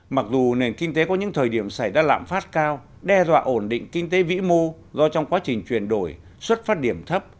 mặc dù nền kinh tế có những thời điểm xảy ra lạm phát cao đe dọa ổn định kinh tế vĩ mô do trong quá trình chuyển đổi xuất phát điểm thấp